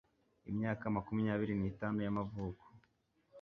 imyaka makumyabiri nitanu y'amavuko,